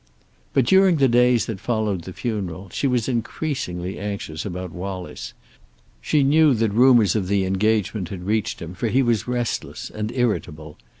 But, during the days that followed the funeral, she was increasingly anxious about Wallace. She knew that rumors of the engagement had reached him, for he was restless and irritable.